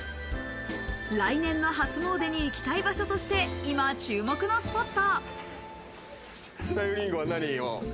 来年の初詣に行きたい場所として今注目のスポット。